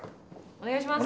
お願いします。